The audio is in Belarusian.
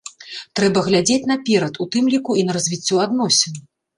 Трэба глядзець наперад, у тым ліку і на развіццё адносін.